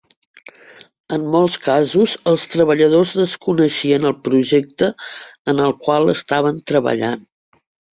En molts casos els treballadors desconeixien el projecte en el qual estaven treballant.